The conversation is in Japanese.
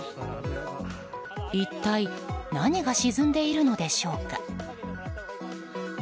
一体何が沈んでいるのでしょうか。